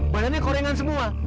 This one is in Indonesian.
badannya korengan semua